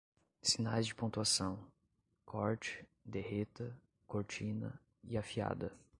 Sinais de pontuação: corte, derreta, cortina e afiada.